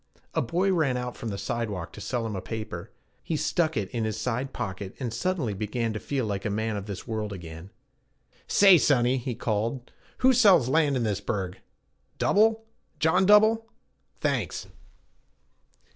A boy ran out from the side walk to sell him a paper. He stuck it in his side pocket, and suddenly began to feel like a man of this world again. 'Say, sonny,' he called; 'who sells land in this burg? Dubell John Dubell? Thanks.'